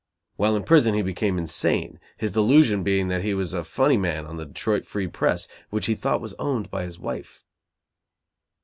While in prison he became insane, his delusion being that he was a funny man on the Detroit Free Press, which he thought was owned by his wife.